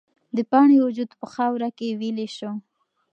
د پاڼې وجود په خاوره کې ویلې شو.